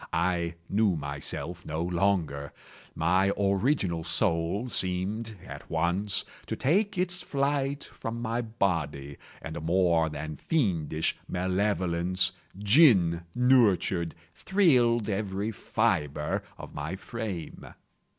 I knew myself no longer. My original soul seemed, at once, to take its flight from my body and a more than fiendish malevolence, gin nurtured, thrilled every fibre of my frame.